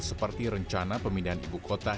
seperti rencana pemindahan ibu kota